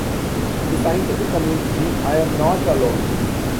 In the scientific community, I am not alone.